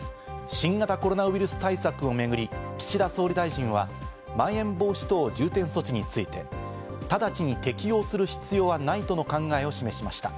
新型コロナウイルス対策をめぐり、岸田総理大臣はまん延防止等重点措置について直ちに適用する必要はないとの考えを示しました。